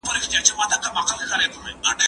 زه به سبا ونې ته اوبه ورکوم!؟